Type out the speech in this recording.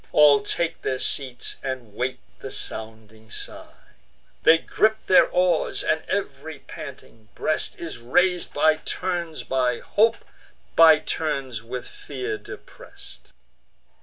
All take their seats, and wait the sounding sign: They gripe their oars; and ev'ry panting breast Is rais'd by turns with hope, by turns with fear depress'd.